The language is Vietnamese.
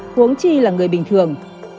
huống chi là người bình thường